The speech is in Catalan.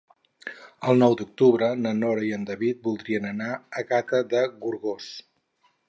El nou d'octubre na Nora i en David voldrien anar a Gata de Gorgos.